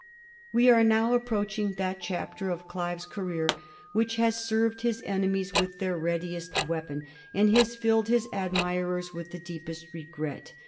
We are now approaching that chapter of Olive's career which has served his enemies with their readiest weapon, and has filled his admirers with the deepest regret.